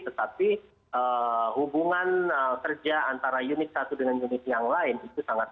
tetapi hubungan kerja antara unit satu dengan unit yang lain itu sangat